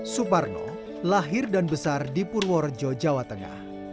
suparno lahir dan besar di purworejo jawa tengah